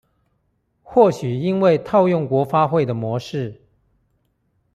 或許因為套用國發會的模式